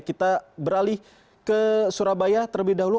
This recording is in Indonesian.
kita beralih ke surabaya terlebih dahulu